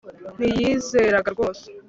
Ntiyizeraga rwose